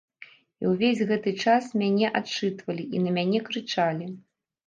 І ўвесь гэты час мяне адчытвалі і на мяне крычалі.